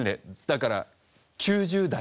だから９０代。